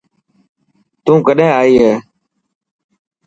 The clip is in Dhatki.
تون ڪڏهن ائي هي.